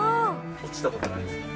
落ちたことないんですか。